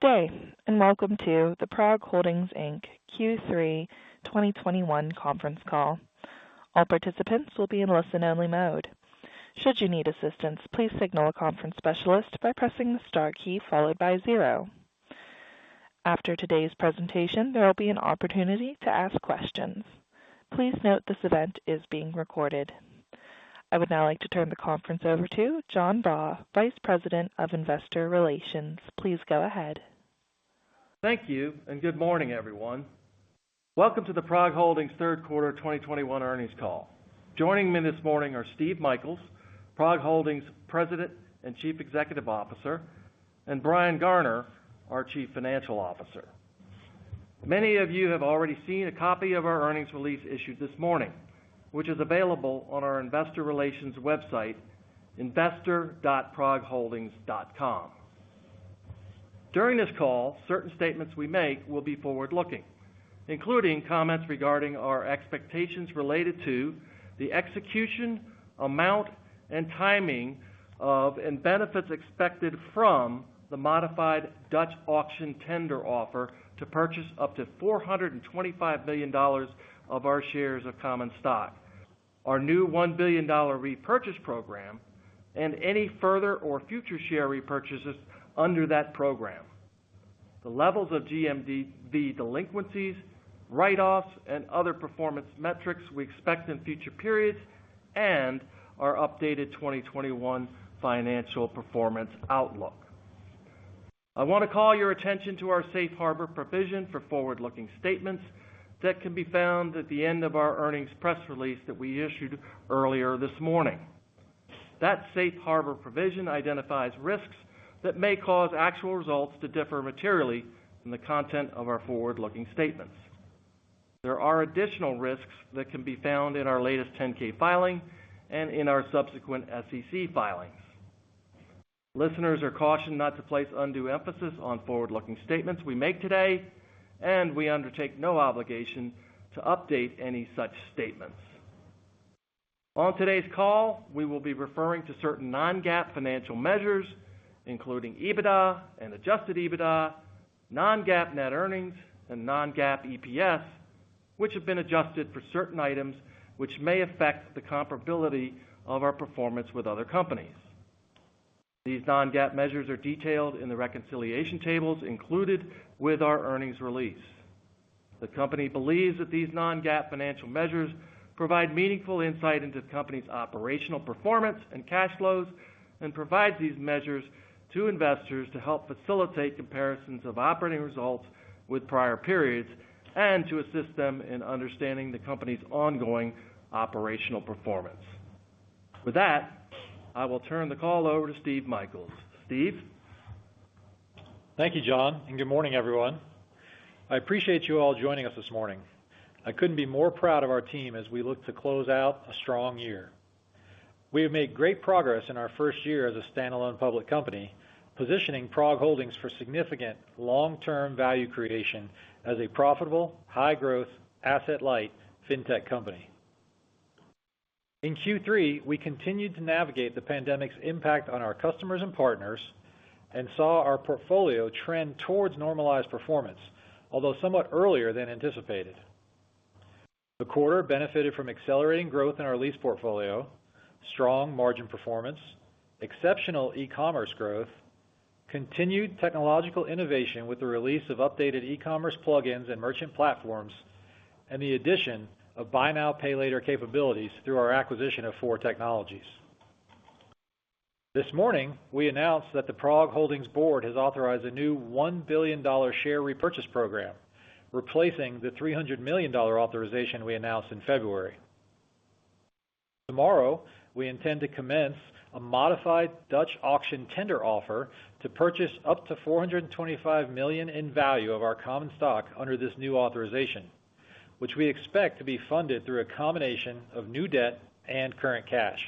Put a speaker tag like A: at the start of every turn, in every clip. A: Good day, and welcome to the PROG Holdings, Inc. Q3 2021 conference call. All participants will be in listen-only mode. Should you need assistance, please signal a conference specialist by pressing the star key followed by zero. After today's presentation, there will be an opportunity to ask questions. Please note this event is being recorded. I would now like to turn the conference over to John Baugh, Vice President of Investor Relations. Please go ahead.
B: Thank you, and good morning, everyone. Welcome to the PROG Holdings third quarter 2021 earnings call. Joining me this morning are Steve Michaels, PROG Holdings President and Chief Executive Officer, and Brian Garner, our Chief Financial Officer. Many of you have already seen a copy of our earnings release issued this morning, which is available on our investor relations website, investor.progholdings.com. During this call, certain statements we make will be forward-looking, including comments regarding our expectations related to the execution, amount, and timing of and benefits expected from the modified Dutch auction tender offer to purchase up to $425 million of our shares of common stock. Our new $1 billion repurchase program and any further or future share repurchases under that program. The levels of GMV delinquencies, write-offs, and other performance metrics we expect in future periods and our updated 2021 financial performance outlook. I wanna call your attention to our safe harbor provision for forward-looking statements that can be found at the end of our earnings press release that we issued earlier this morning. That safe harbor provision identifies risks that may cause actual results to differ materially from the content of our forward-looking statements. There are additional risks that can be found in our latest 10-K filing and in our subsequent SEC filings. Listeners are cautioned not to place undue emphasis on forward-looking statements we make today, and we undertake no obligation to update any such statements. On today's call, we will be referring to certain non-GAAP financial measures, including EBITDA and Adjusted EBITDA, Non-GAAP net earnings, and non-GAAP EPS, which have been adjusted for certain items which may affect the comparability of our performance with other companies. These Non-GAAP measures are detailed in the reconciliation tables included with our earnings release. The company believes that these Non-GAAP financial measures provide meaningful insight into the company's operational performance and cash flows and provides these measures to investors to help facilitate comparisons of operating results with prior periods and to assist them in understanding the company's ongoing operational performance. With that, I will turn the call over to Steve Michaels. Steve?
C: Thank you, John, and good morning, everyone. I appreciate you all joining us this morning. I couldn't be more proud of our team as we look to close out a strong year. We have made great progress in our first year as a standalone public company, positioning PROG Holdings for significant long-term value creation as a profitable, high-growth, asset-light fintech company. In Q3, we continued to navigate the pandemic's impact on our customers and partners and saw our portfolio trend towards normalized performance, although somewhat earlier than anticipated. The quarter benefited from accelerating growth in our lease portfolio, strong margin performance, exceptional e-commerce growth, continued technological innovation with the release of updated e-commerce plugins and merchant platforms, and the addition of buy now, pay later capabilities through our acquisition of Four Technologies. This morning, we announced that the PROG Holdings Board has authorized a new $1 billion share repurchase program, replacing the $300 million authorization we announced in February. Tomorrow, we intend to commence a modified Dutch auction tender offer to purchase up to $425 million in value of our common stock under this new authorization, which we expect to be funded through a combination of new debt and current cash.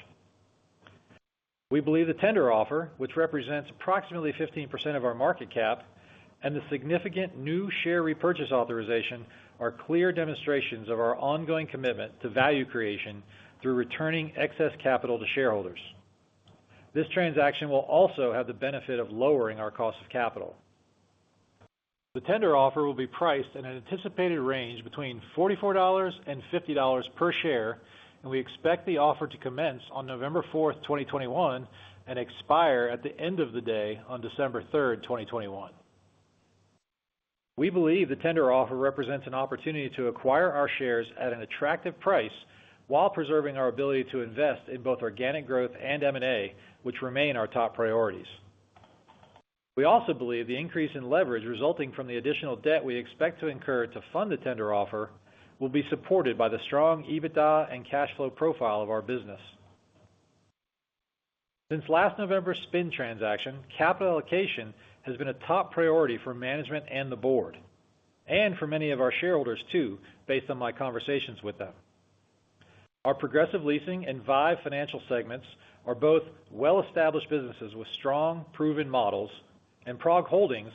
C: We believe the tender offer, which represents approximately 15% of our market cap and the significant new share repurchase authorization are clear demonstrations of our ongoing commitment to value creation through returning excess capital to shareholders. This transaction will also have the benefit of lowering our cost of capital. The tender offer will be priced at an anticipated range between $44 and $50 per share, and we expect the offer to commence on November 4th, 2021, and expire at the end of the day on December 3rd, 2021. We believe the tender offer represents an opportunity to acquire our shares at an attractive price while preserving our ability to invest in both organic growth and M&A, which remain our top priorities. We also believe the increase in leverage resulting from the additional debt we expect to incur to fund the tender offer will be supported by the strong EBITDA and cash flow profile of our business. Since last November's spin transaction, capital allocation has been a top priority for management and the Board, and for many of our shareholders too, based on my conversations with them. Our Progressive Leasing and Vive Financial segments are both well-established businesses with strong proven models, and PROG Holdings,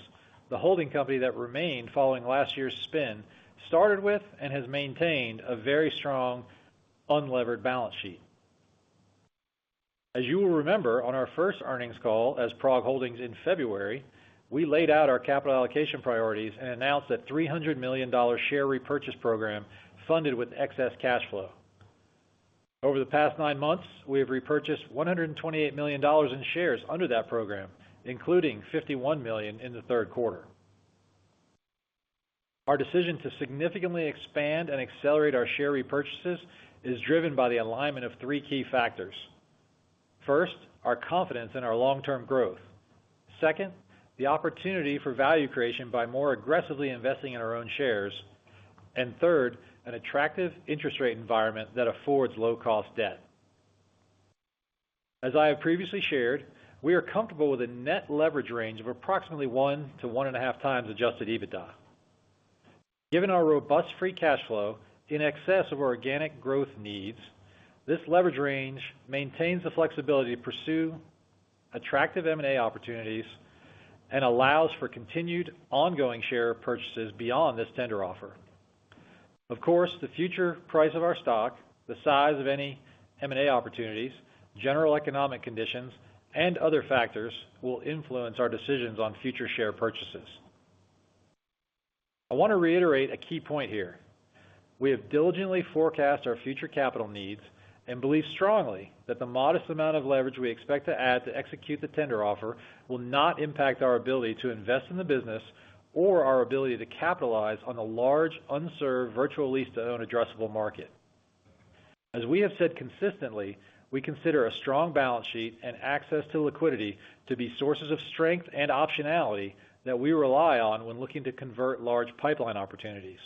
C: the holding company that remained following last year's spin, started with and has maintained a very strong unlevered balance sheet. You will remember on our first earnings call as PROG Holdings in February, we laid out our capital allocation priorities and announced that $300 million share repurchase program funded with excess cash flow. Over the past nine months, we have repurchased $128 million in shares under that program, including $51 million in the third quarter. Our decision to significantly expand and accelerate our share repurchases is driven by the alignment of three key factors. First, our confidence in our long-term growth. Second, the opportunity for value creation by more aggressively investing in our own shares. Third, an attractive interest rate environment that affords low cost debt. As I have previously shared, we are comfortable with a net leverage range of approximately 1-1.5x Adjusted EBITDA. Given our robust free cash flow in excess of our organic growth needs, this leverage range maintains the flexibility to pursue attractive M&A opportunities and allows for continued ongoing share purchases beyond this tender offer. Of course, the future price of our stock, the size of any M&A opportunities, general economic conditions, and other factors will influence our decisions on future share purchases. I want to reiterate a key point here. We have diligently forecast our future capital needs and believe strongly that the modest amount of leverage we expect to add to execute the tender offer will not impact our ability to invest in the business or our ability to capitalize on the large, unserved virtual lease-to-own addressable market. As we have said consistently, we consider a strong balance sheet and access to liquidity to be sources of strength and optionality that we rely on when looking to convert large pipeline opportunities.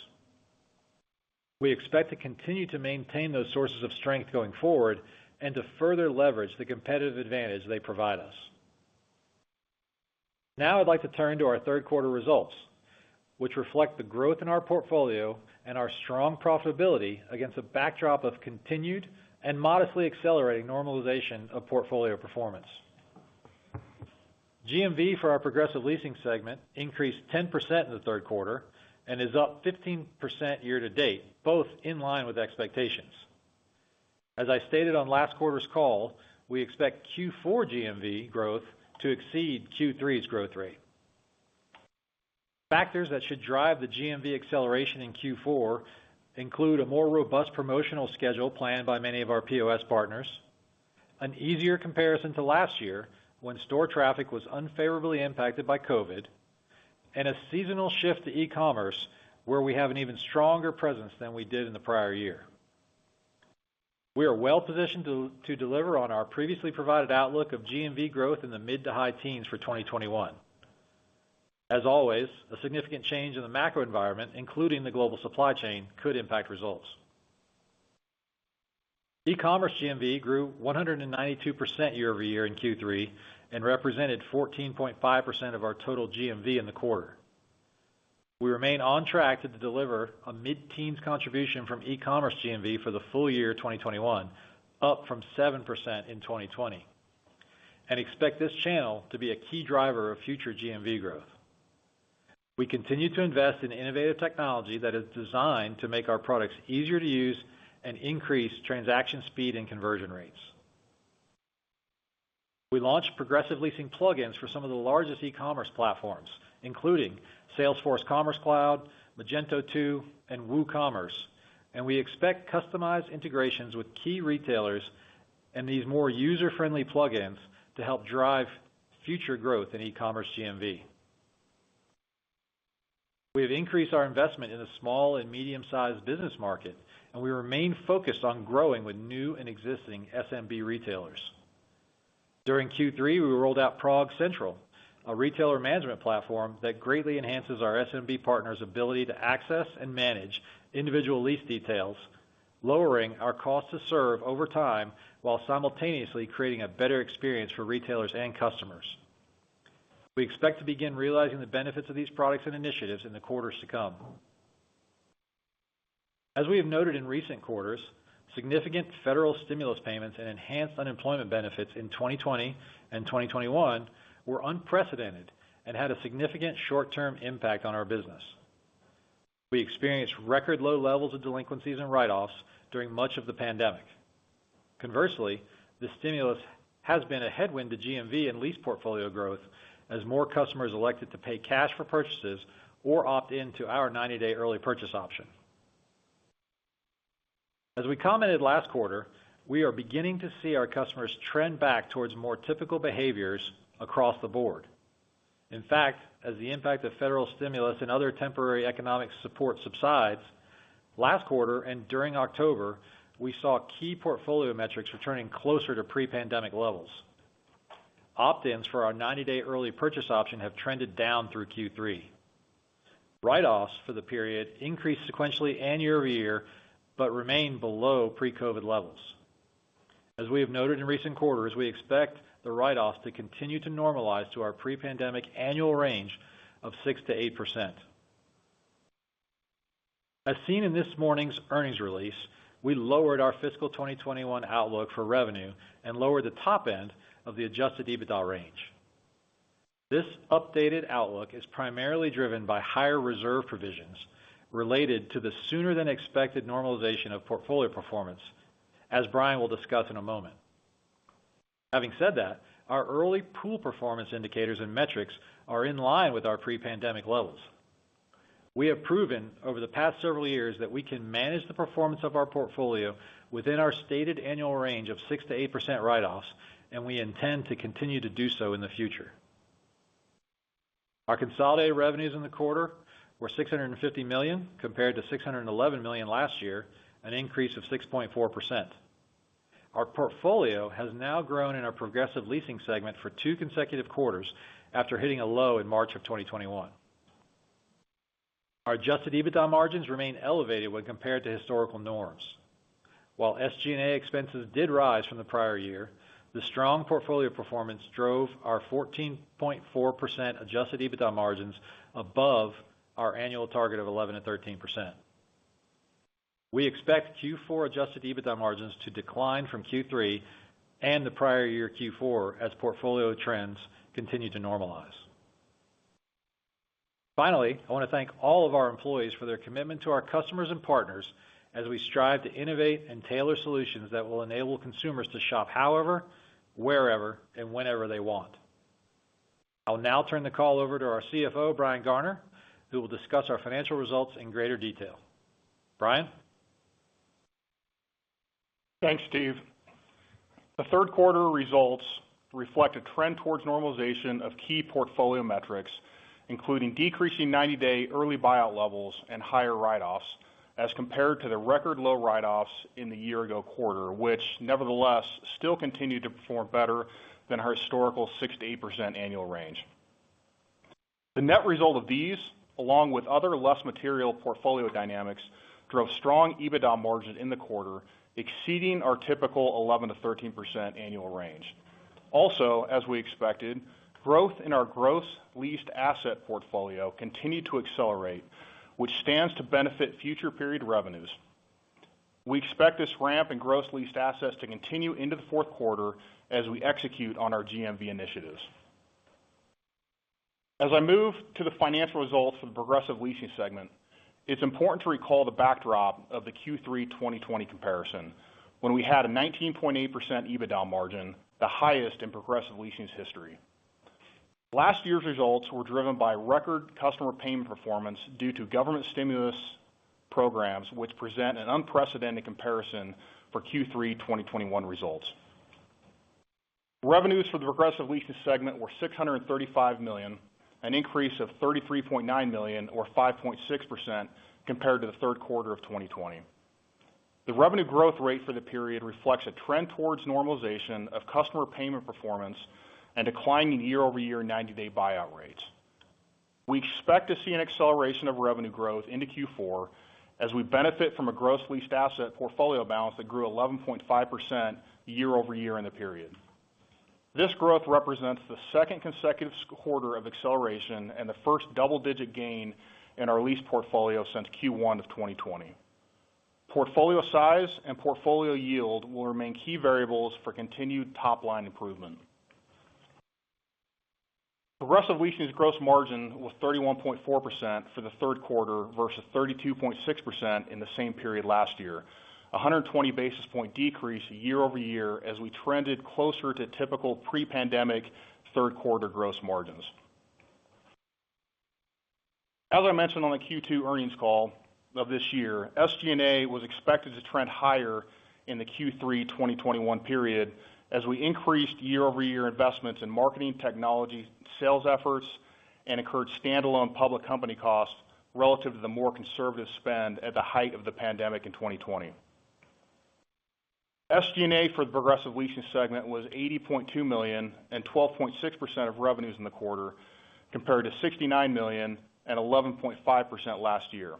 C: We expect to continue to maintain those sources of strength going forward and to further leverage the competitive advantage they provide us. Now I'd like to turn to our third quarter results, which reflect the growth in our portfolio and our strong profitability against a backdrop of continued and modestly accelerating normalization of portfolio performance. GMV for our Progressive Leasing segment increased 10% in the third quarter and is up 15% year to date, both in line with expectations. As I stated on last quarter's call, we expect Q4 GMV growth to exceed Q3's growth rate. Factors that should drive the GMV acceleration in Q4 include a more robust promotional schedule planned by many of our POS partners, an easier comparison to last year when store traffic was unfavorably impacted by COVID, and a seasonal shift to e-commerce, where we have an even stronger presence than we did in the prior year. We are well-positioned to deliver on our previously provided outlook of GMV growth in the mid to high teens for 2021. As always, a significant change in the macro environment, including the global supply chain, could impact results. E-commerce GMV grew 192% year-over-year in Q3 and represented 14.5% of our total GMV in the quarter. We remain on track to deliver a mid-teens contribution from e-commerce GMV for the full year 2021, up from 7% in 2020, and expect this channel to be a key driver of future GMV growth. We continue to invest in innovative technology that is designed to make our products easier to use and increase transaction speed and conversion rates. We launched Progressive Leasing plugins for some of the largest e-commerce platforms, including Salesforce Commerce Cloud, Magento 2, and WooCommerce, and we expect customized integrations with key retailers and these more user-friendly plugins to help drive future growth in e-commerce GMV. We have increased our investment in the small and medium-sized business market, and we remain focused on growing with new and existing SMB retailers. During Q3, we rolled out PROG Central, a retailer management platform that greatly enhances our SMB partners' ability to access and manage individual lease details, lowering our cost to serve over time while simultaneously creating a better experience for retailers and customers. We expect to begin realizing the benefits of these products and initiatives in the quarters to come. As we have noted in recent quarters, significant federal stimulus payments and enhanced unemployment benefits in 2020 and 2021 were unprecedented and had a significant short-term impact on our business. We experienced record low levels of delinquencies and write-offs during much of the pandemic. Conversely, the stimulus has been a headwind to GMV and lease portfolio growth as more customers elected to pay cash for purchases or opt in to our 90-day early purchase option. As we commented last quarter, we are beginning to see our customers trend back towards more typical behaviors across the board. In fact, as the impact of federal stimulus and other temporary economic support subsides, last quarter and during October, we saw key portfolio metrics returning closer to pre-pandemic levels. Opt-ins for our 90-day early purchase option have trended down through Q3. Write-offs for the period increased sequentially and year-over-year, but remain below pre-COVID levels. As we have noted in recent quarters, we expect the write-offs to continue to normalize to our pre-pandemic annual range of 6%-8%. As seen in this morning's earnings release, we lowered our fiscal 2021 outlook for revenue and lowered the top end of the Adjusted EBITDA range. This updated outlook is primarily driven by higher reserve provisions related to the sooner than expected normalization of portfolio performance, as Brian will discuss in a moment. Having said that, our early pool performance indicators and metrics are in line with our pre-pandemic levels. We have proven over the past several years that we can manage the performance of our portfolio within our stated annual range of 6%-8% write-offs, and we intend to continue to do so in the future. Our consolidated revenues in the quarter were $650 million compared to $611 million last year, an increase of 6.4%. Our portfolio has now grown in our Progressive Leasing segment for two consecutive quarters after hitting a low in March 2021. Our Adjusted EBITDA margins remain elevated when compared to historical norms. While SG&A expenses did rise from the prior year, the strong portfolio performance drove our 14.4% Adjusted EBITDA margins above our annual target of 11%-13%. We expect Q4 Adjusted EBITDA margins to decline from Q3 and the prior year Q4 as portfolio trends continue to normalize. Finally, I wanna thank all of our employees for their commitment to our customers and partners as we strive to innovate and tailor solutions that will enable consumers to shop however, wherever, and whenever they want. I'll now turn the call over to our CFO, Brian Garner, who will discuss our financial results in greater detail. Brian.
D: Thanks, Steve. The third quarter results reflect a trend towards normalization of key portfolio metrics, including decreasing 90-day early buyout levels and higher write-offs as compared to the record low write-offs in the year ago quarter, which nevertheless still continued to perform better than our historical 6%-8% annual range. The net result of these, along with other less material portfolio dynamics, drove strong EBITDA margins in the quarter, exceeding our typical 11%-13% annual range. Also, as we expected, growth in our gross leased asset portfolio continued to accelerate, which stands to benefit future period revenues. We expect this ramp in gross leased assets to continue into the fourth quarter as we execute on our GMV initiatives. As I move to the financial results for the Progressive Leasing segment, it's important to recall the backdrop of the Q3 2020 comparison when we had a 19.8% EBITDA margin, the highest in Progressive Leasing's history. Last year's results were driven by record customer payment performance due to government stimulus programs, which present an unprecedented comparison for Q3 2021 results. Revenues for the Progressive Leasing segment were $635 million, an increase of $33.9 million or 5.6% compared to the third quarter of 2020. The revenue growth rate for the period reflects a trend towards normalization of customer payment performance and declining year-over-year ninety-day buyout rates. We expect to see an acceleration of revenue growth into Q4 as we benefit from a gross leased asset portfolio balance that grew 11.5% year over year in the period. This growth represents the second consecutive quarter of acceleration and the first double-digit gain in our lease portfolio since Q1 of 2020. Portfolio size and portfolio yield will remain key variables for continued top-line improvement. Progressive Leasing's gross margin was 31.4% for the third quarter versus 32.6% in the same period last year, a 120 basis point decrease year over year as we trended closer to typical pre-pandemic third quarter gross margins. As I mentioned on the Q2 earnings call of this year, SG&A was expected to trend higher in the Q3 2021 period as we increased year-over-year investments in marketing, technology, sales efforts, and incurred standalone public company costs relative to the more conservative spend at the height of the pandemic in 2020. SG&A for the Progressive Leasing segment was $80.2 million and 12.6% of revenues in the quarter, compared to $69 million and 11.5% last year.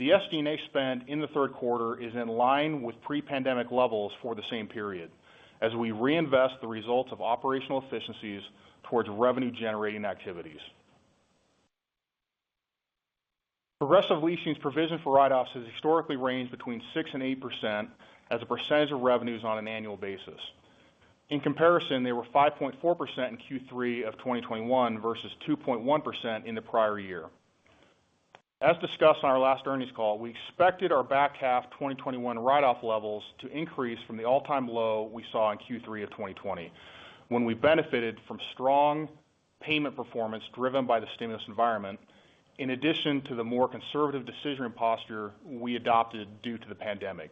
D: The SG&A spend in the third quarter is in line with pre-pandemic levels for the same period as we reinvest the results of operational efficiencies towards revenue generating activities. Progressive Leasing's provision for write-offs has historically ranged between 6%-8% as a percentage of revenues on an annual basis. In comparison, they were 5.4% in Q3 of 2021 versus 2.1% in the prior year. As discussed on our last earnings call, we expected our back half 2021 write-off levels to increase from the all-time low we saw in Q3 of 2020 when we benefited from strong payment performance driven by the stimulus environment, in addition to the more conservative decision posture we adopted due to the pandemic.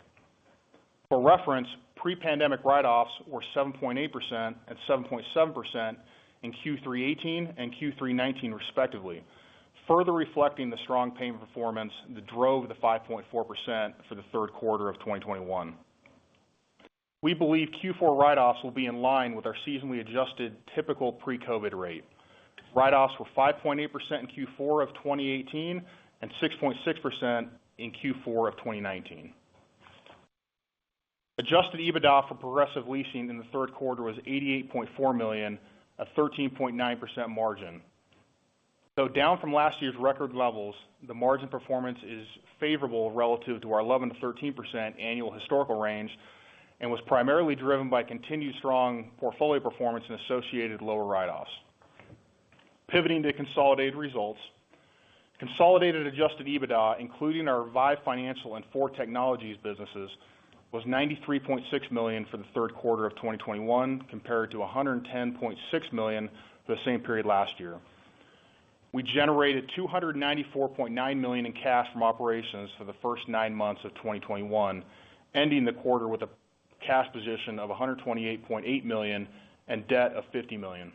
D: For reference, pre-pandemic write-offs were 7.8% and 7.7% in Q3 2018 and Q3 2019 respectively, further reflecting the strong payment performance that drove the 5.4% for the third quarter of 2021. We believe Q4 write-offs will be in line with our seasonally adjusted typical pre-COVID rate. Write-offs were 5.8% in Q4 of 2018 and 6.6% in Q4 of 2019. Adjusted EBITDA for Progressive Leasing in the third quarter was $88.4 million at 13.9% margin. Down from last year's record levels, the margin performance is favorable relative to our 11%-13% annual historical range and was primarily driven by continued strong portfolio performance and associated lower write-offs. Pivoting to consolidated results. Consolidated Adjusted EBITDA, including our Vive Financial and Four Technologies businesses, was $93.6 million for the third quarter of 2021 compared to $110.6 million for the same period last year. We generated $294.9 million in cash from operations for the first nine months of 2021, ending the quarter with a cash position of $128.8 million and debt of $50 million.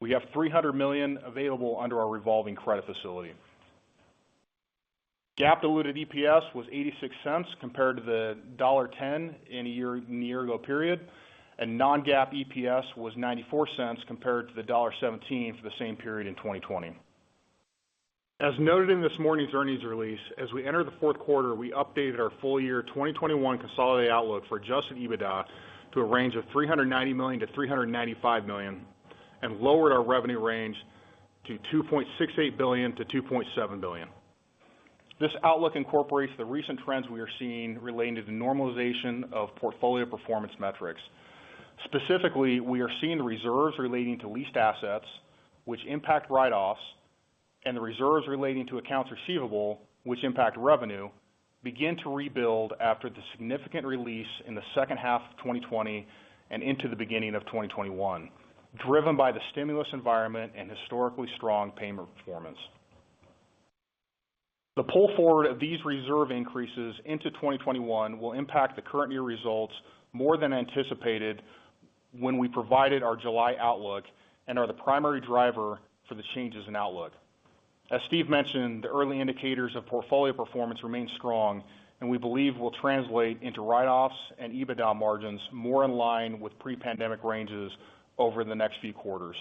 D: We have $300 million available under our revolving credit facility. GAAP diluted EPS was $0.86 compared to $1.10 in the year-ago period, and Non-GAAP EPS was $0.94 compared to $1.17 for the same period in 2020. As noted in this morning's earnings release, as we enter the fourth quarter, we updated our full year 2021 consolidated outlook for Adjusted EBITDA to a range of $390 million-$395 million and lowered our revenue range to $2.68 billion-$2.7 billion. This outlook incorporates the recent trends we are seeing relating to the normalization of portfolio performance metrics. Specifically, we are seeing the reserves relating to leased assets, which impact write-offs, and the reserves relating to accounts receivable, which impact revenue, begin to rebuild after the significant release in the second half of 2020 and into the beginning of 2021, driven by the stimulus environment and historically strong payment performance. The pull forward of these reserve increases into 2021 will impact the current year results more than anticipated when we provided our July outlook and are the primary driver for the changes in outlook. As Steve mentioned, the early indicators of portfolio performance remain strong, and we believe will translate into write-offs and EBITDA margins more in line with pre-pandemic ranges over the next few quarters.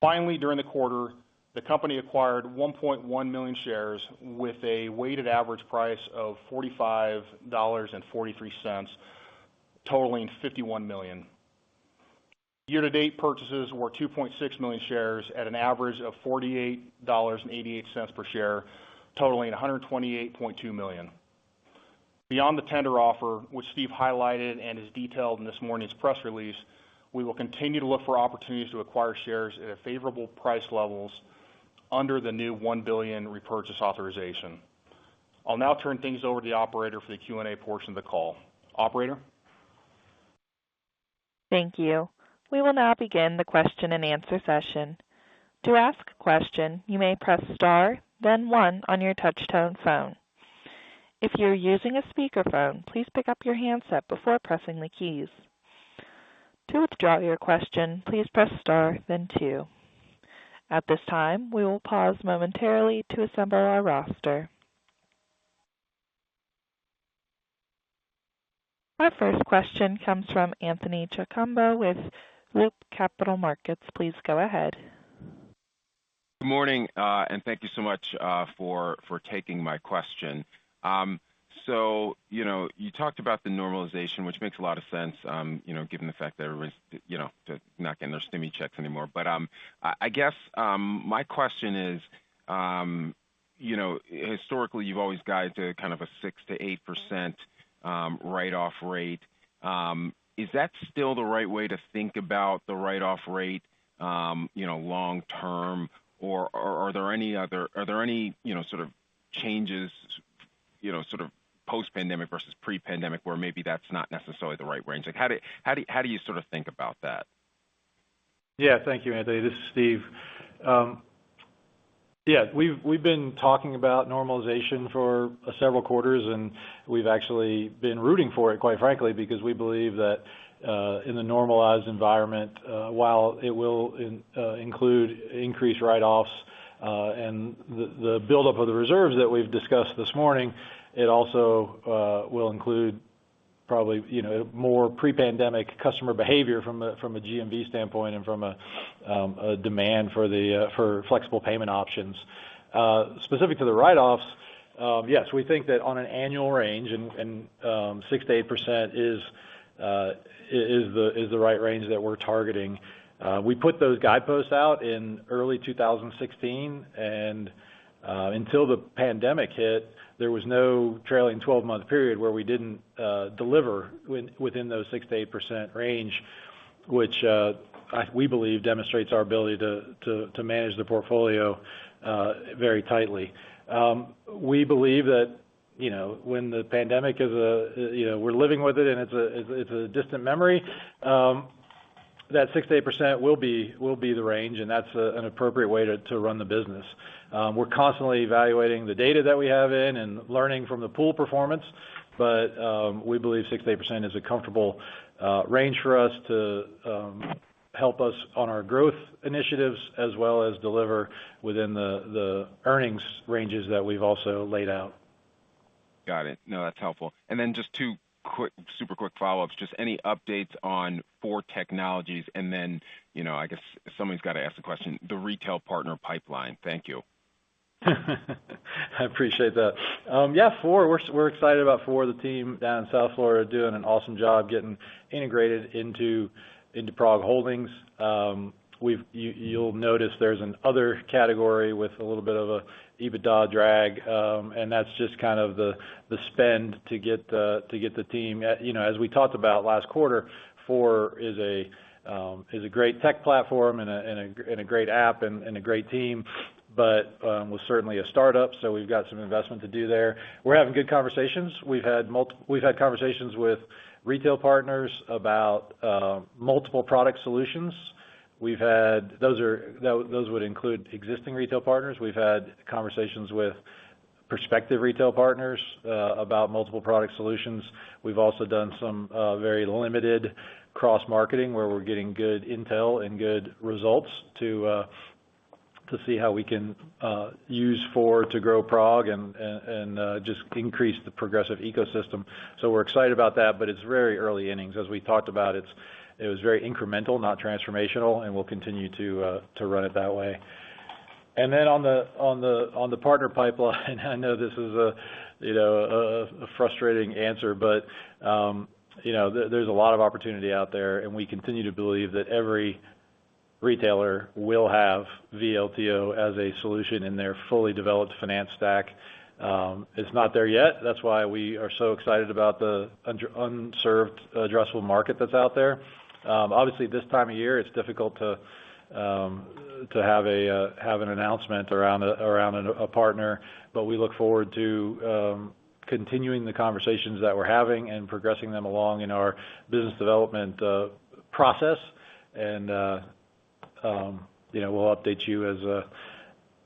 D: Finally, during the quarter, the company acquired 1.1 million shares with a weighted average price of $45.43, totaling $51 million. Year to date purchases were 2.6 million shares at an average of $48.88 per share, totaling $128.2 million. Beyond the tender offer, which Steve highlighted and is detailed in this morning's press release, we will continue to look for opportunities to acquire shares at favorable price levels under the new $1 billion repurchase authorization. I'll now turn things over to the operator for the Q&A portion of the call. Operator?
A: Thank you. We will now begin the question and answer session. To ask a question, you may press star then one on your touch tone phone. If you're using a speakerphone, please pick up your handset before pressing the keys. To withdraw your question, please press star then two. At this time, we will pause momentarily to assemble our roster. Our first question comes from Anthony Chukumba with Loop Capital Markets. Please go ahead.
E: Good morning, and thank you so much for taking my question. So, you know, you talked about the normalization, which makes a lot of sense, you know, given the fact that everyone's, you know, not getting their stimmy checks anymore. I guess my question is, you know, historically, you've always guided to kind of a 6%-8% write-off rate. Is that still the right way to think about the write-off rate, you know, long term? Or are there any, you know, sort of changes, you know, sort of post-pandemic versus pre-pandemic, where maybe that's not necessarily the right range? Like, how do you sort of think about that?
C: Yeah. Thank you, Anthony. This is Steve. Yeah, we've been talking about normalization for several quarters, and we've actually been rooting for it, quite frankly, because we believe that in the normalized environment, while it will include increased write-offs and the buildup of the reserves that we've discussed this morning, it also will include probably, you know, more pre-pandemic customer behavior from a GMV standpoint and from a demand for the flexible payment options. Specific to the write-offs, yes, we think that on an annual range and 6%-8% is the right range that we're targeting. We put those guideposts out in early 2016, and until the pandemic hit, there was no trailing 12-month period where we didn't deliver within those 6%-8% range, which we believe demonstrates our ability to manage the portfolio very tightly. We believe that, you know, when the pandemic is, you know, we're living with it and it's a distant memory, that 6%-8% will be the range, and that's an appropriate way to run the business. We're constantly evaluating the data that we have in and learning from the pool performance, but we believe 6%-8% is a comfortable range for us to help us on our growth initiatives as well as deliver within the earnings ranges that we've also laid out.
E: Got it. No, that's helpful. Just two quick, super quick follow-ups. Just any updates on Four Technologies? You know, I guess somebody's got to ask the question, the retail partner pipeline. Thank you.
C: I appreciate that. Yeah, Four, we're excited about Four, the team down in South Florida doing an awesome job getting integrated into PROG Holdings. You'll notice there's an other category with a little bit of a EBITDA drag, and that's just kind of the spend to get the team. You know, as we talked about last quarter, Four is a great tech platform and a great app and a great team, but was certainly a startup, so we've got some investment to do there. We're having good conversations. We've had conversations with retail partners about multiple product solutions. Those would include existing retail partners. We've had conversations with prospective retail partners about multiple product solutions. We've also done some very limited cross-marketing where we're getting good intel and good results to see how we can use Four to grow PROG and just increase the Progressive ecosystem. We're excited about that, but it's very early innings. As we talked about, it was very incremental, not transformational, and we'll continue to run it that way. Then on the partner pipeline, I know this is, you know, a frustrating answer, but you know, there's a lot of opportunity out there, and we continue to believe that every retailer will have VLTO as a solution in their fully developed finance stack. It's not there yet. That's why we are so excited about the unserved addressable market that's out there. Obviously, this time of year, it's difficult to have an announcement around a partner, but we look forward to continuing the conversations that we're having and progressing them along in our business development process. You know, we'll update you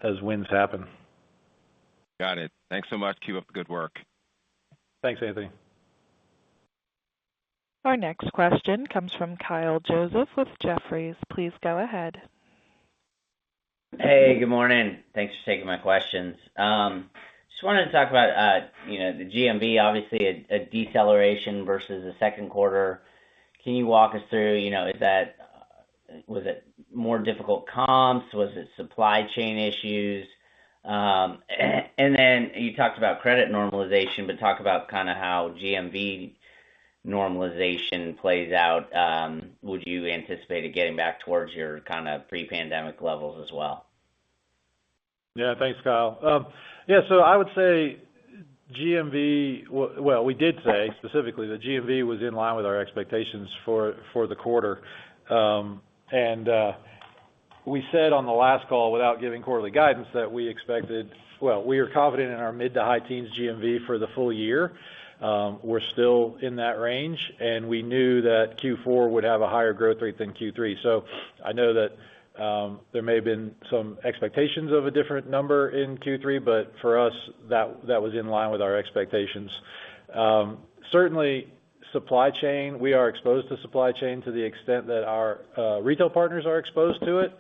C: as wins happen.
E: Got it. Thanks so much. Keep up the good work.
C: Thanks, Anthony.
A: Our next question comes from Kyle Joseph with Jefferies. Please go ahead.
F: Hey, good morning. Thanks for taking my questions. Just wanted to talk about, you know, the GMV, obviously a deceleration versus the second quarter. Can you walk us through, you know, was it more difficult comps? Was it supply chain issues? And then you talked about credit normalization, but talk about kind of how GMV normalization plays out. Would you anticipate it getting back towards your kind of pre-pandemic levels as well?
C: Yeah. Thanks, Kyle. So I would say GMV, we did say specifically that GMV was in line with our expectations for the quarter. And we said on the last call, without giving quarterly guidance, that we expected. Well, we are confident in our mid to high teens GMV for the full year. We're still in that range, and we knew that Q4 would have a higher growth rate than Q3. I know that there may have been some expectations of a different number in Q3, but for us, that was in line with our expectations. Certainly supply chain, we are exposed to supply chain to the extent that our retail partners are exposed to it.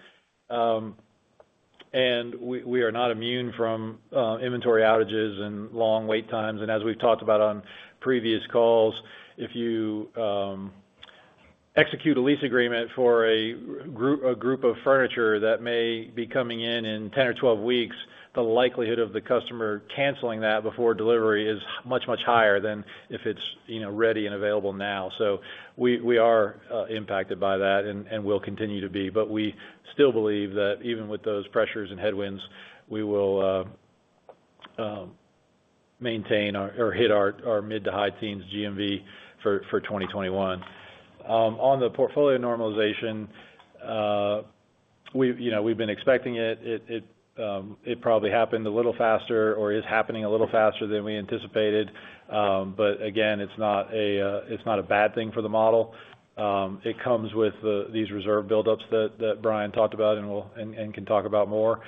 C: And we are not immune from inventory outages and long wait times. As we've talked about on previous calls, if you execute a lease agreement for a group of furniture that may be coming in in 10 or 12 weeks, the likelihood of the customer canceling that before delivery is much, much higher than if it's, you know, ready and available now. We are impacted by that and will continue to be, but we still believe that even with those pressures and headwinds, we will maintain or hit our mid to high-teens GMV for 2021. On the portfolio normalization, we've you know been expecting it. It probably happened a little faster or is happening a little faster than we anticipated. Again, it's not a bad thing for the model. It comes with these reserve buildups that Brian talked about, and we can talk about more.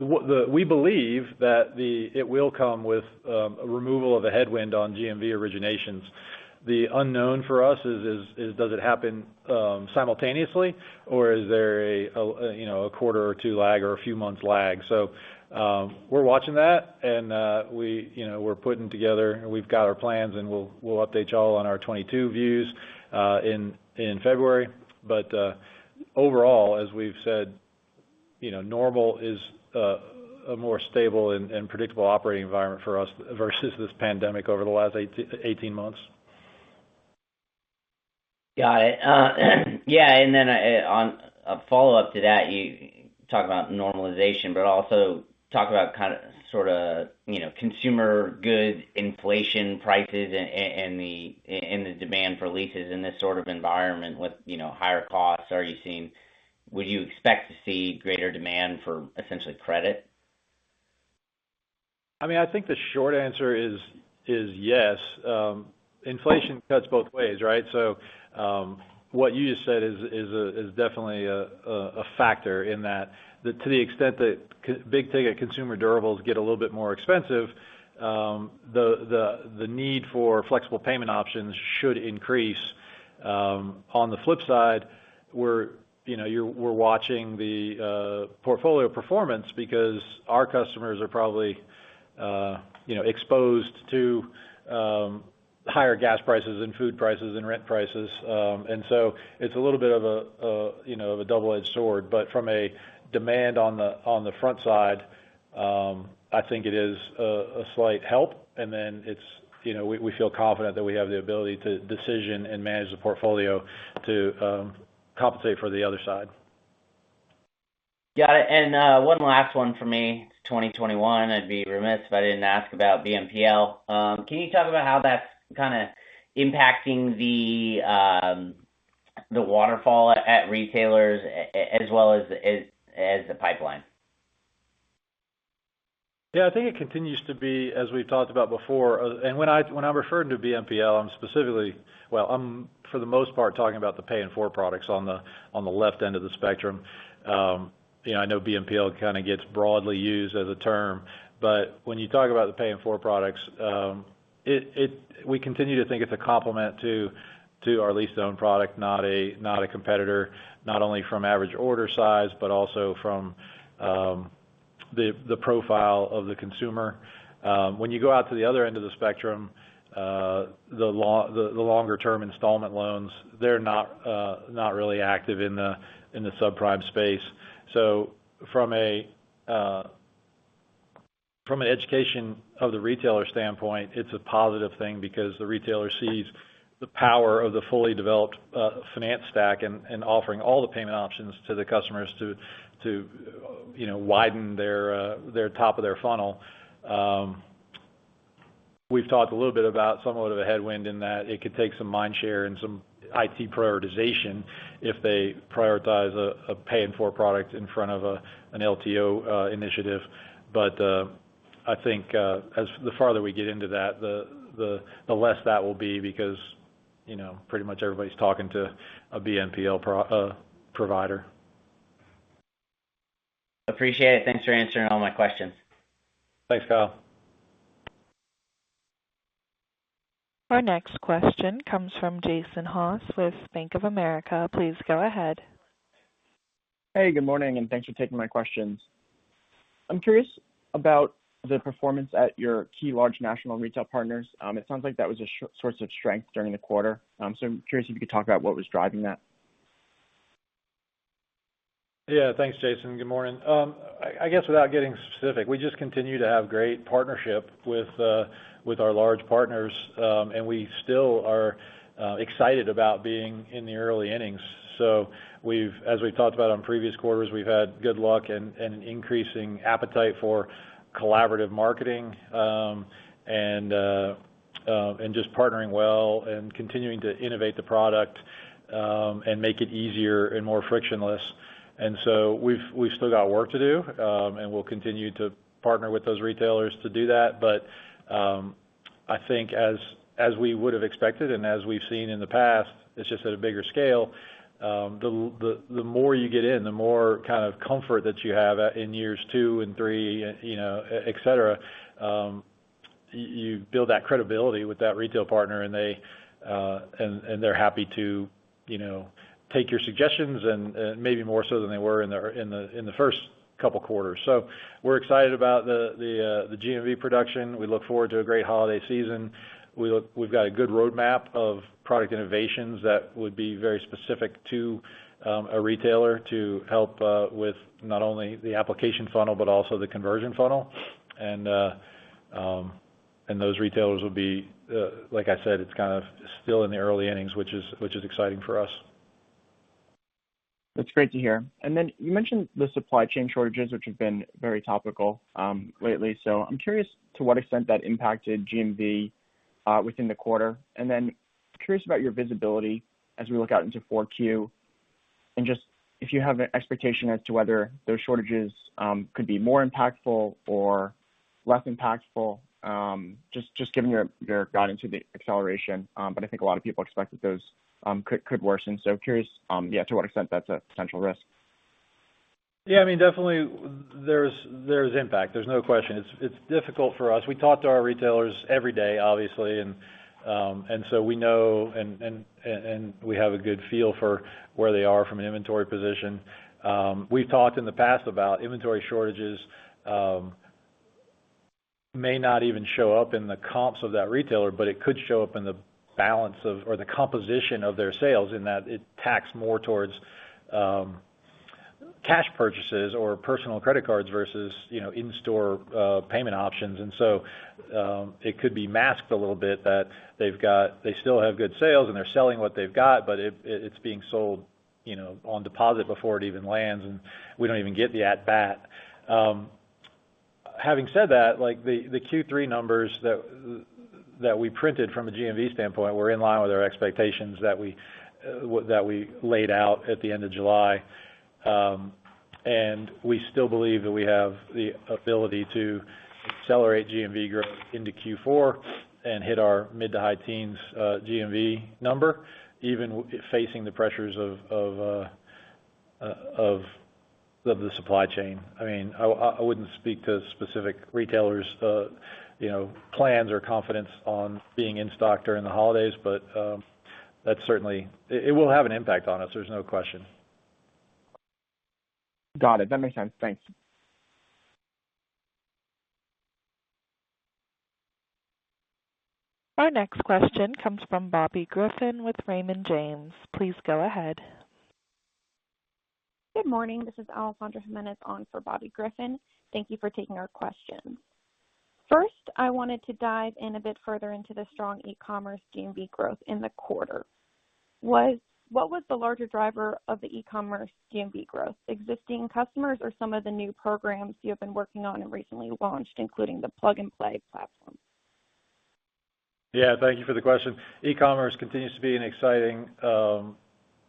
C: We believe that it will come with a removal of a headwind on GMV originations. The unknown for us is does it happen simultaneously or is there you know a quarter or two lag or a few months lag? We're watching that and we you know we're putting together. We've got our plans, and we'll update y'all on our 2022 views in February. Overall, as we've said, you know, normal is a more stable and predictable operating environment for us versus this pandemic over the last 18 months.
F: Got it. Yeah, on a follow-up to that, you talk about normalization, but also talk about kind of, sort of, you know, consumer goods inflation prices and the demand for leases in this sort of environment with, you know, higher costs. Are you seeing, would you expect to see greater demand for essentially credit?
C: I mean, I think the short answer is yes. Inflation cuts both ways, right? What you just said is definitely a factor in that to the extent that big ticket consumer durables get a little bit more expensive, the need for flexible payment options should increase. On the flip side, we're, you know, we're watching the portfolio performance because our customers are probably, you know, exposed to higher gas prices and food prices and rent prices. It's a little bit of a, you know, of a double-edged sword. From a demand on the front side, I think it is a slight help. It's, you know, we feel confident that we have the ability to decision and manage the portfolio to compensate for the other side.
F: Got it. One last one for me. 2021, I'd be remiss if I didn't ask about BNPL. Can you talk about how that's kinda impacting the waterfall at retailers as well as the pipeline?
C: Yeah. I think it continues to be as we've talked about before. When I'm referring to BNPL, I'm specifically—well, I'm for the most part talking about the Pay-in-Four products on the left end of the spectrum. You know, I know BNPL kind of gets broadly used as a term, but when you talk about the Pay-in-Four products, we continue to think it's a complement to our lease-to-own product, not a competitor, not only from average order size, but also from the profile of the consumer. When you go out to the other end of the spectrum, the longer-term installment loans, they're not really active in the subprime space. From an education of the retailer standpoint, it's a positive thing because the retailer sees the power of the fully developed finance stack and offering all the payment options to the customers to you know widen their top of their funnel. We've talked a little bit about somewhat of a headwind in that it could take some mind share and some IT prioritization if they prioritize a Pay-in-Four product in front of an LTO initiative. I think as the farther we get into that the less that will be because you know pretty much everybody's talking to a BNPL provider.
F: Appreciate it. Thanks for answering all my questions.
C: Thanks, Kyle.
A: Our next question comes from Jason Haas with Bank of America. Please go ahead.
G: Hey, good morning, and thanks for taking my questions. I'm curious about the performance at your key large national retail partners. It sounds like that was a source of strength during the quarter. I'm curious if you could talk about what was driving that.
C: Yeah. Thanks, Jason, and good morning. I guess without getting specific, we just continue to have great partnership with our large partners. We still are excited about being in the early innings. As we've talked about on previous quarters, we've had good luck and increasing appetite for collaborative marketing, and just partnering well and continuing to innovate the product, and make it easier and more frictionless. We've still got work to do, and we'll continue to partner with those retailers to do that. I think as we would've expected and as we've seen in the past, it's just at a bigger scale. The more you get in, the more kind of comfort that you have in years two and three, you know, et cetera, you build that credibility with that retail partner and they and they're happy to, you know, take your suggestions and maybe more so than they were in the first couple quarters. We're excited about the GMV production. We look forward to a great holiday season. We've got a good roadmap of product innovations that would be very specific to a retailer to help with not only the application funnel but also the conversion funnel. Those retailers will be, like I said, it's kind of still in the early innings, which is exciting for us.
G: That's great to hear. You mentioned the supply chain shortages, which have been very topical lately. I'm curious to what extent that impacted GMV within the quarter. Curious about your visibility as we look out into 4Q. Just if you have an expectation as to whether those shortages could be more impactful or less impactful, just given your guidance of the acceleration. I think a lot of people expect that those could worsen. Curious yeah, to what extent that's a potential risk.
C: Yeah. I mean, definitely there's impact. There's no question. It's difficult for us. We talk to our retailers every day, obviously. We know, and we have a good feel for where they are from an inventory position. We've talked in the past about inventory shortages that may not even show up in the comps of that retailer, but it could show up in the balance of, or the composition of their sales, in that it tilts more towards cash purchases or personal credit cards versus, you know, in-store payment options. It could be masked a little bit that they still have good sales, and they're selling what they've got, but it's being sold, you know, on deposit before it even lands, and we don't even get the at bat. Having said that, like, the Q3 numbers that we printed from a GMV standpoint were in line with our expectations that we laid out at the end of July. We still believe that we have the ability to accelerate GMV growth into Q4 and hit our mid to high-teens GMV number, even facing the pressures of the supply chain. I mean, I wouldn't speak to specific retailers' plans or confidence on being in stock during the holidays, but that's certainly. It will have an impact on us, there's no question.
G: Got it. That makes sense. Thanks.
A: Our next question comes from Bobby Griffin with Raymond James. Please go ahead.
H: Good morning. This is Alessandra Jimenez on for Bobby Griffin. Thank you for taking our question. First, I wanted to dive in a bit further into the strong e-commerce GMV growth in the quarter. What was the larger driver of the e-commerce GMV growth? Existing customers or some of the new programs you have been working on and recently launched, including the plug-and-play platform?
C: Yeah. Thank you for the question. E-commerce continues to be an exciting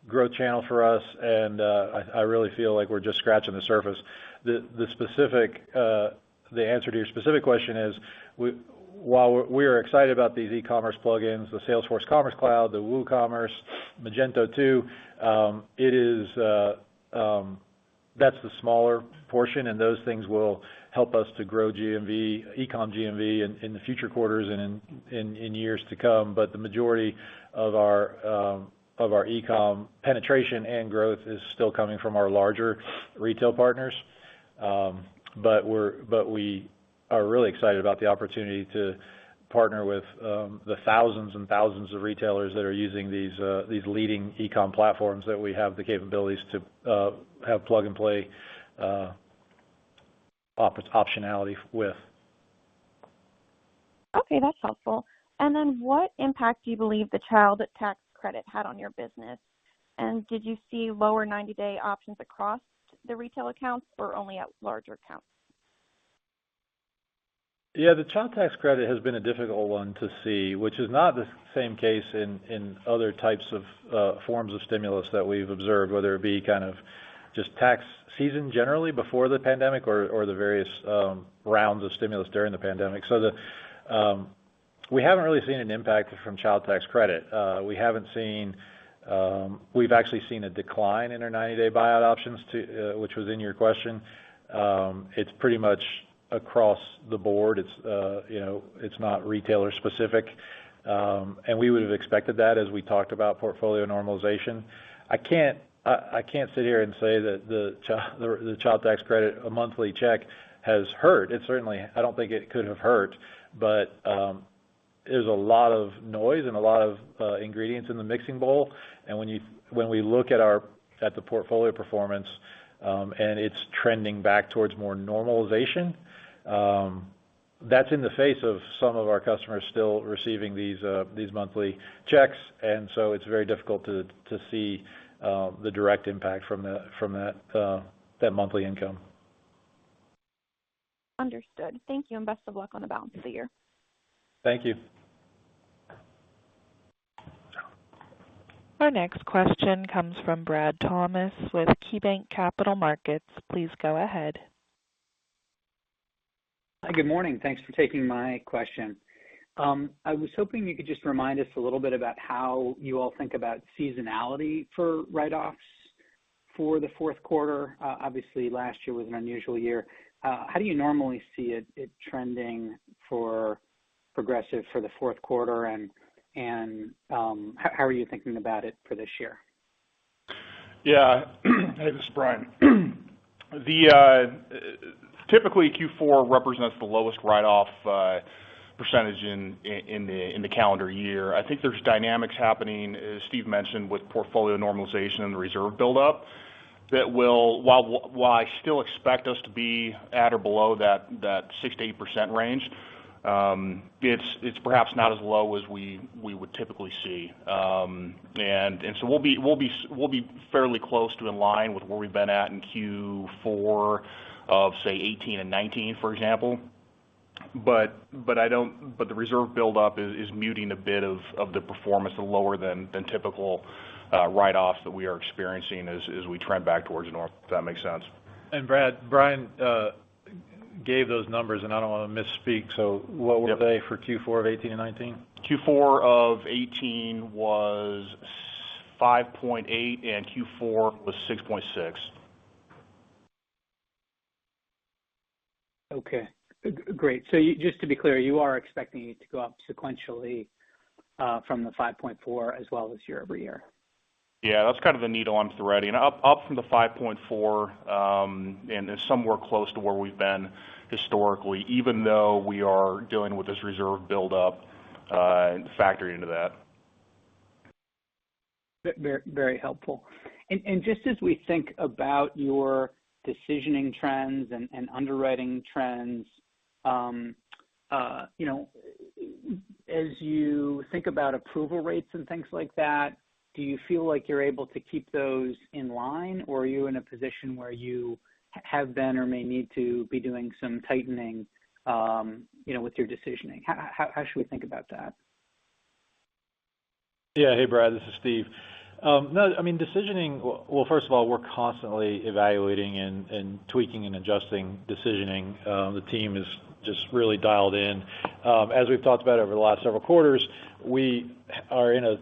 C: growth channel for us, and I really feel like we're just scratching the surface. The answer to your specific question is while we are excited about these e-commerce plug-ins, the Salesforce Commerce Cloud, the WooCommerce, Magento 2. That's the smaller portion, and those things will help us to grow GMV, e-com GMV in the future quarters and in years to come. The majority of our e-com penetration and growth is still coming from our larger retail partners. We are really excited about the opportunity to partner with the thousands and thousands of retailers that are using these leading e-com platforms that we have the capabilities to have plug-and-play optionality with.
H: Okay. That's helpful. Then what impact do you believe the Child Tax Credit had on your business? Did you see lower 90-day options across the retail accounts or only at larger accounts?
C: Yeah. The Child Tax Credit has been a difficult one to see, which is not the same case in other types of forms of stimulus that we've observed, whether it be kind of just tax season generally before the pandemic or the various rounds of stimulus during the pandemic. We haven't really seen an impact from Child Tax Credit. We haven't seen. We've actually seen a decline in our 90-day buyout options, too, which was in your question. It's pretty much across the board. It's you know, it's not retailer specific. We would have expected that as we talked about portfolio normalization. I can't sit here and say that the Child Tax Credit, a monthly check, has hurt. It certainly. I don't think it could have hurt. There's a lot of noise and a lot of ingredients in the mixing bowl. When we look at the portfolio performance and it's trending back towards more normalization, that's in the face of some of our customers still receiving these monthly checks. It's very difficult to see the direct impact from that monthly income.
H: Understood. Thank you, and best of luck on the balance of the year.
C: Thank you.
A: Our next question comes from Brad Thomas with KeyBanc Capital Markets. Please go ahead.
I: Good morning. Thanks for taking my question. I was hoping you could just remind us a little bit about how you all think about seasonality for write-offs for the fourth quarter. Obviously last year was an unusual year. How do you normally see it trending for Progressive for the fourth quarter? How are you thinking about it for this year?
D: Yeah. Hey, this is Brian. Typically, Q4 represents the lowest write-off percentage in the calendar year. I think there's dynamics happening, as Steve mentioned, with portfolio normalization and the reserve buildup that will, while I still expect us to be at or below that 6%-8% range, it's perhaps not as low as we would typically see. We'll be fairly close to in line with where we've been at in Q4 of, say, 2018 and 2019, for example. The reserve buildup is muting a bit of the performance lower than typical write-offs that we are experiencing as we trend back towards norm, if that makes sense.
C: Brad, Brian gave those numbers, and I don't want to misspeak. What were they for Q4 of 2018 and 2019?
D: Q4 of 2018 was 5.8, and Q4 was 6.6.
I: Okay, great. Just to be clear, you are expecting it to go up sequentially from the 5.4% as well as year over year?
D: Yeah. That's kind of the needle I'm threading. Up from the 5.4, and then somewhere close to where we've been historically, even though we are dealing with this reserve buildup, and factoring into that.
I: Very helpful. Just as we think about your decisioning trends and underwriting trends, you know, as you think about approval rates and things like that, do you feel like you're able to keep those in line, or are you in a position where you have been or may need to be doing some tightening, you know, with your decisioning? How should we think about that?
C: Yeah. Hey, Brad, this is Steve. No, I mean, decisioning. Well, first of all, we're constantly evaluating and tweaking and adjusting decisioning. The team is just really dialed in. As we've talked about over the last several quarters, we are in a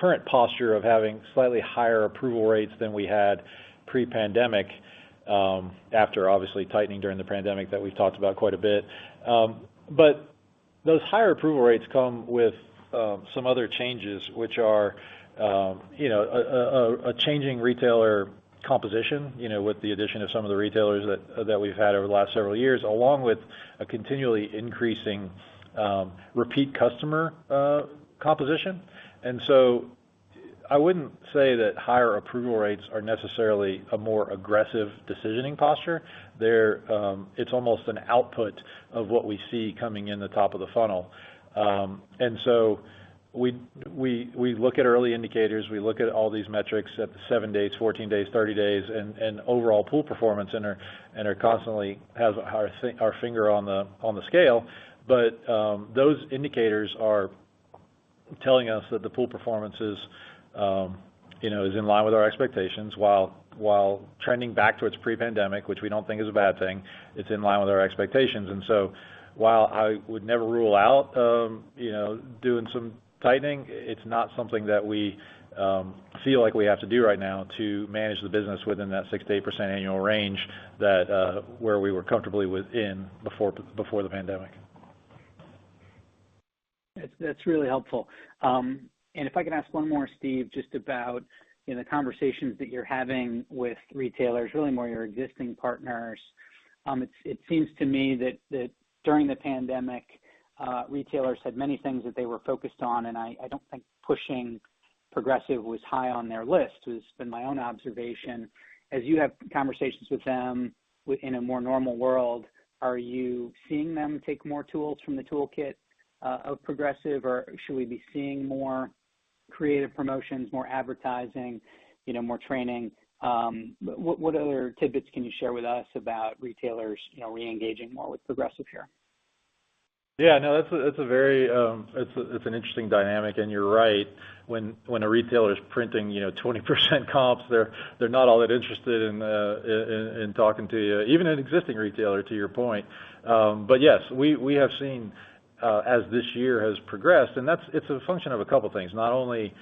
C: current posture of having slightly higher approval rates than we had pre-pandemic, after obviously tightening during the pandemic that we've talked about quite a bit. But those higher approval rates come with some other changes which are, you know, a changing retailer composition, you know, with the addition of some of the retailers that we've had over the last several years, along with a continually increasing repeat customer composition. I wouldn't say that higher approval rates are necessarily a more aggressive decisioning posture. There, it's almost an output of what we see coming in the top of the funnel. We look at early indicators, we look at all these metrics at the 7 days, 14 days, 30 days, and overall pool performance, and constantly have our finger on the scale. Those indicators are telling us that the pool performance is, you know, in line with our expectations, while trending back to its pre-pandemic, which we don't think is a bad thing. It's in line with our expectations. While I would never rule out, you know, doing some tightening, it's not something that we feel like we have to do right now to manage the business within that 6%-8% annual range that we were comfortably within before the pandemic.
I: That's really helpful. If I can ask one more, Steve, just about, you know, the conversations that you're having with retailers, really more your existing partners. It seems to me that during the pandemic, retailers had many things that they were focused on, and I don't think pushing Progressive was high on their list. It's been my own observation. As you have conversations with them in a more normal world, are you seeing them take more tools from the toolkit of Progressive? Or should we be seeing more creative promotions, more advertising, you know, more training? What other tidbits can you share with us about retailers, you know, re-engaging more with Progressive here?
C: Yeah, no, that's a very, it's an interesting dynamic. You're right. When a retailer is printing, you know, 20% comps, they're not all that interested in talking to you. Even an existing retailer, to your point. Yes, we have seen, as this year has progressed, and that's, it's a function of a couple things, not only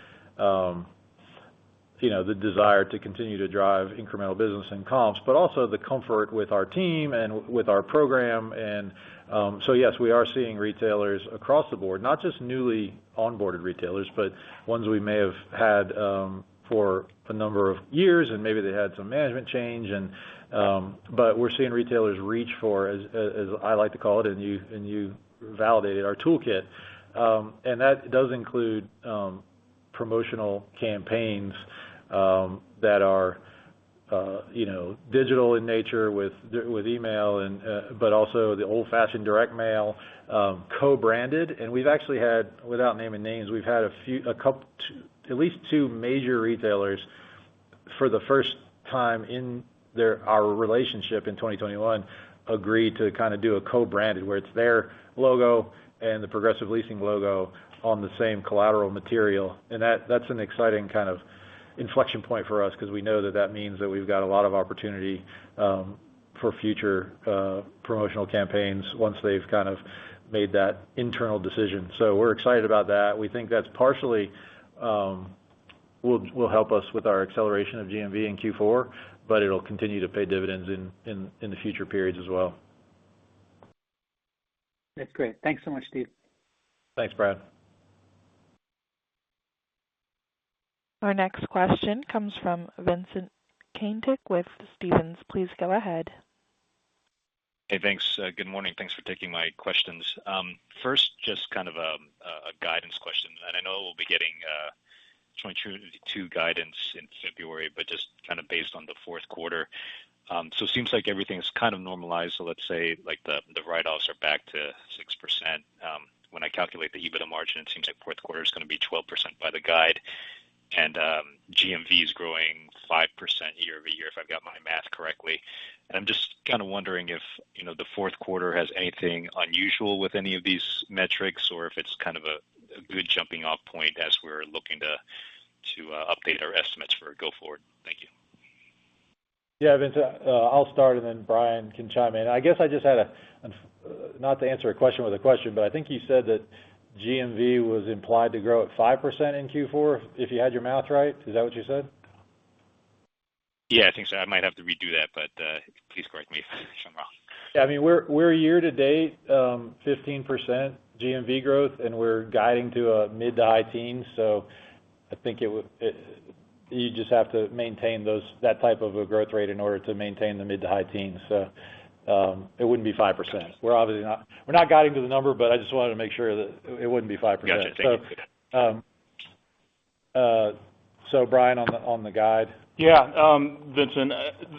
C: you know the desire to continue to drive incremental business and comps, but also the comfort with our team and with our program, so yes, we are seeing retailers across the board, not just newly onboarded retailers, but ones we may have had for a number of years, and maybe they had some management change, we're seeing retailers reach for, as I like to call it, and you validated, our toolkit. That does include promotional campaigns that are you know digital in nature with email, but also the old-fashioned direct mail, co-branded. We've actually had, without naming names, we've had a few, at least two major retailers for the first time in our relationship in 2021, agree to kind of do a co-branded, where it's their logo and the Progressive Leasing logo on the same collateral material. That's an exciting kind of inflection point for us 'cause we know that that means that we've got a lot of opportunity for future promotional campaigns once they've kind of made that internal decision. We're excited about that. We think that's partially will help us with our acceleration of GMV in Q4, but it'll continue to pay dividends in the future periods as well.
I: That's great. Thanks so much, Steve.
C: Thanks, Brad.
A: Our next question comes from Vincent Caintic with Stephens. Please go ahead.
J: Hey, thanks. Good morning, thanks for taking my questions. First, just kind of a guidance question. I know we'll be getting 2022 guidance in February, but just kind of based on the fourth quarter. It seems like everything's kind of normalized. Let's say like the write-offs are back to 6%. When I calculate the EBITDA margin, it seems like fourth quarter is gonna be 12% by the guide. GMV is growing 5% year-over-year, if I've got my math correctly. I'm just kind of wondering if, you know, the fourth quarter has anything unusual with any of these metrics or if it's kind of a good jumping off point as we're looking to update our estimates for go forward. Thank you.
C: Yeah, Vincent, I'll start and then Brian can chime in. Not to answer a question with a question, but I think you said that GMV was implied to grow at 5% in Q4 if you had your math right. Is that what you said?
J: Yeah, I think so. I might have to redo that, but please correct me if I'm wrong.
C: Yeah, I mean, we're year to date 15% GMV growth, and we're guiding to a mid to high-teens. I think you just have to maintain that type of a growth rate in order to maintain the mid to high-teens %. It wouldn't be 5%. We're obviously not guiding to the number, but I just wanted to make sure that it wouldn't be 5%.
J: Gotcha. Thank you.
C: Brian, on the guide.
D: Yeah, Vincent,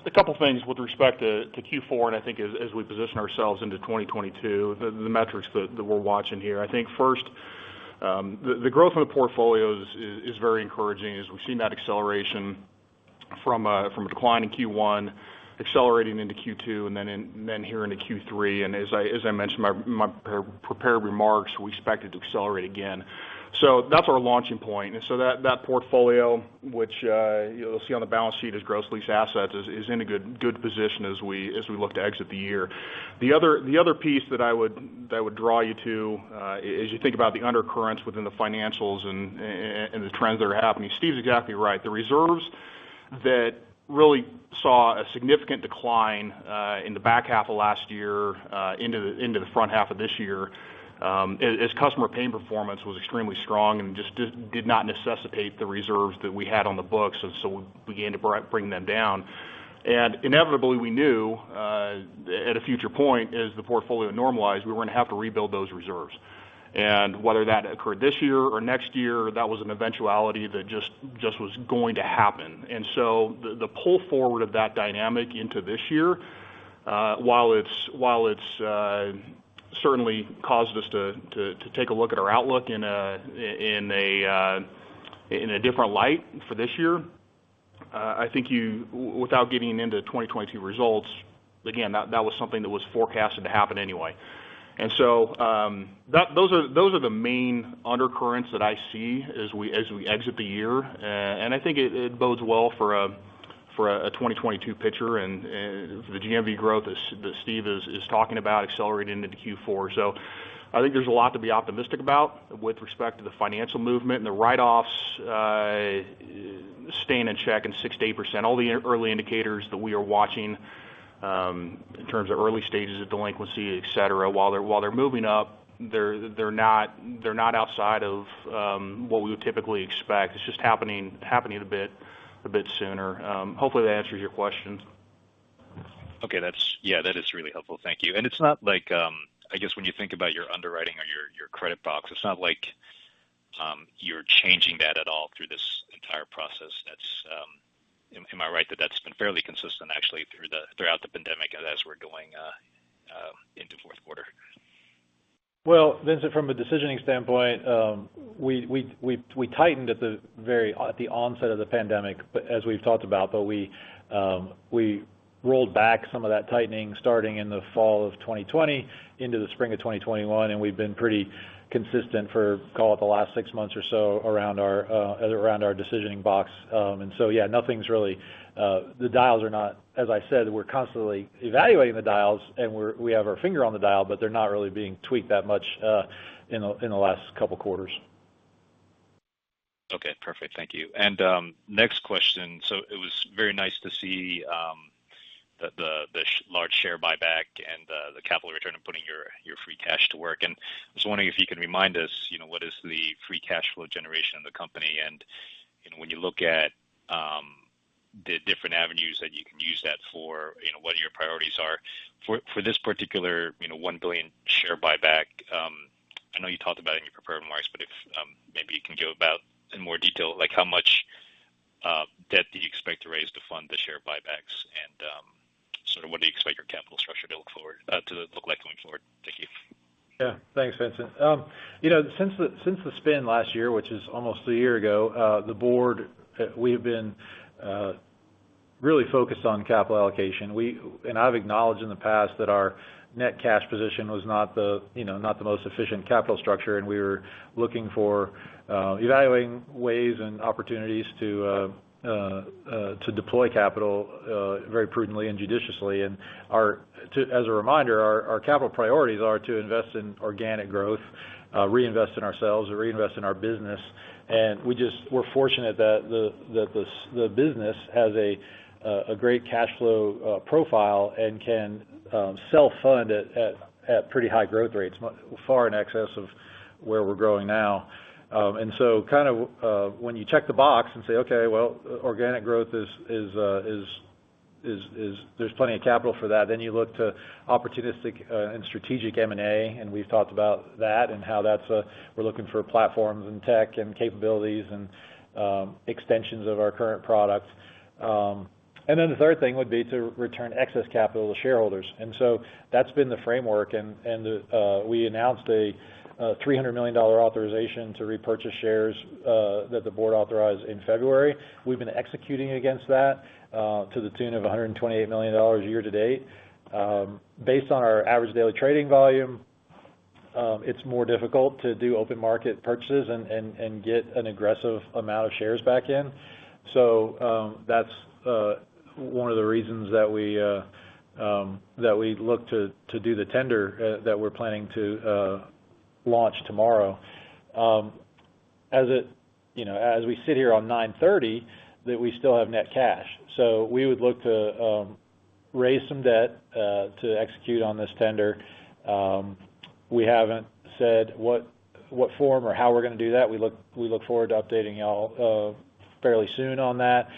D: a couple things with respect to Q4, and I think as we position ourselves into 2022, the metrics that we're watching here. I think first, the growth in the portfolio is very encouraging as we've seen that acceleration from a decline in Q1, accelerating into Q2, and then here into Q3. As I mentioned in my pre-prepared remarks, we expect it to accelerate again. That's our launching point. That portfolio, which you'll see on the balance sheet as gross lease assets, is in a good position as we look to exit the year. The other piece that I would draw you to, as you think about the undercurrents within the financials and the trends that are happening. Steve's exactly right. The reserves That really saw a significant decline in the back half of last year into the front half of this year, as customer paying performance was extremely strong and just did not necessitate the reserves that we had on the books. We began to bring them down. Inevitably we knew at a future point as the portfolio normalized, we were gonna have to rebuild those reserves. Whether that occurred this year or next year, that was an eventuality that just was going to happen. The pull forward of that dynamic into this year, while it's certainly caused us to take a look at our outlook in a different light for this year, I think without getting into 2022 results, again, that was something that was forecasted to happen anyway. Those are the main undercurrents that I see as we exit the year. I think it bodes well for a 2022 picture and the GMV growth that Steve is talking about accelerating into Q4. I think there's a lot to be optimistic about with respect to the financial movement and the write-offs staying in check in 6%-8%. All the early indicators that we are watching in terms of early stages of delinquency, et cetera, while they're moving up, they're not outside of what we would typically expect. It's just happening a bit sooner. Hopefully that answers your question.
J: Okay. That's. Yeah, that is really helpful. Thank you. It's not like, I guess when you think about your underwriting or your credit box, it's not like, you're changing that at all through this entire process. That's, am I right that that's been fairly consistent actually throughout the pandemic as we're going into fourth quarter?
C: Well, Vincent, from a decisioning standpoint, we tightened at the onset of the pandemic, but as we've talked about, we rolled back some of that tightening starting in the fall of 2020 into the spring of 2021, and we've been pretty consistent for, call it, the last six months or so around our decisioning box. Yeah, nothing's really, the dials are not. As I said, we're constantly evaluating the dials, and we have our finger on the dial, but they're not really being tweaked that much in the last couple quarters.
J: Okay. Perfect. Thank you. Next question. It was very nice to see the large share buyback and the capital return of putting your free cash to work. I was wondering if you could remind us, you know, what is the free cash flow generation of the company, and when you look at the different avenues that you can use that for, you know, what your priorities are. For this particular, you know, $1 billion share buyback, I know you talked about it in your prepared remarks, but if maybe you can go about in more detail, like how much debt do you expect to raise to fund the share buybacks and sort of what do you expect your capital structure to look like going forward? Thank you.
C: Yeah. Thanks, Vincent. You know, since the spin last year, which is almost a year ago, the board we have been really focused on capital allocation. I've acknowledged in the past that our net cash position was not, you know, not the most efficient capital structure, and we were evaluating ways and opportunities to deploy capital very prudently and judiciously. As a reminder, our capital priorities are to invest in organic growth, reinvest in ourselves or reinvest in our business. We're fortunate that the business has a great cash flow profile and can self-fund at pretty high growth rates, far in excess of where we're growing now. Kind of, when you check the box and say, okay, well, organic growth. There's plenty of capital for that, then you look to opportunistic and strategic M&A, and we've talked about that and how that's. We're looking for platforms and tech and capabilities and extensions of our current products. The third thing would be to return excess capital to shareholders. That's been the framework. We announced a $300 million authorization to repurchase shares that the board authorized in February. We've been executing against that to the tune of $128 million year to date. Based on our average daily trading volume, it's more difficult to do open market purchases and get an aggressive amount of shares back in. That's one of the reasons that we look to do the tender that we're planning to launch tomorrow. As, you know, as we sit here at 9:30, we still have net cash. We would look to raise some debt to execute on this tender. We haven't said what form or how we're gonna do that. We look forward to updating y'all fairly soon on that.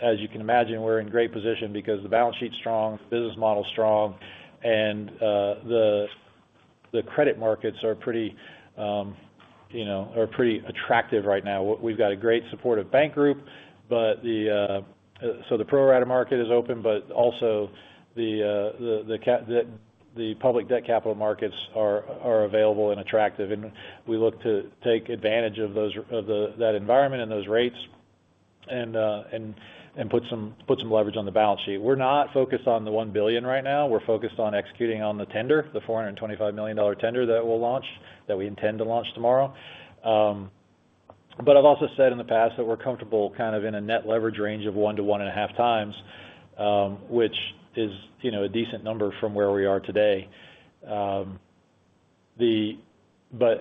C: As you can imagine, we're in great position because the balance sheet's strong, business model's strong, and the credit markets are pretty, you know, attractive right now. We've got a great supportive bank group, but so the pro rata market is open, but also the public debt capital markets are available and attractive. We look to take advantage of that environment and those rates and put some leverage on the balance sheet. We're not focused on the $1 billion right now. We're focused on executing on the tender, the $425 million tender that we'll launch, that we intend to launch tomorrow. But I've also said in the past that we're comfortable kind of in a net leverage range of 1-1.5x, which is, you know, a decent number from where we are today.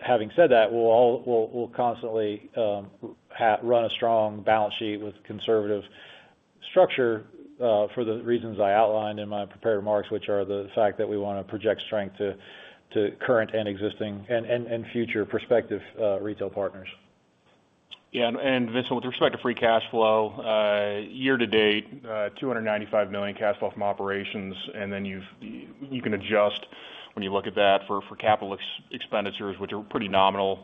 C: Having said that, we'll constantly run a strong balance sheet with conservative structure for the reasons I outlined in my prepared remarks, which are the fact that we wanna project strength to current and existing and future prospective retail partners.
D: Yeah. Vincent, with respect to free cash flow, year-to-date, $295 million cash flow from operations, and then you can adjust when you look at that for capital expenditures, which are pretty nominal,